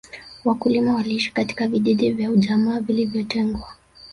wakulima waliishi katika vijiji vya ujamaa vilivyotengwa